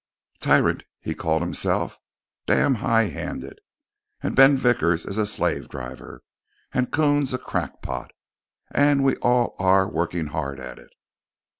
_ Tyrant, he called himself. _Damned high hander! And Ben Vickers is a slave driver. And Coons a crackpot. And we are all working hard at it.